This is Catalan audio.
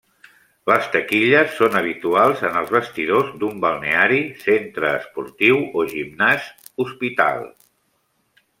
Les taquilles són habituals en els vestidors d'un balneari, centre esportiu o gimnàs, hospital.